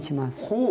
ほう！